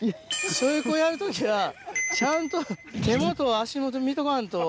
背負子やる時はちゃんと手元足元見とかんと。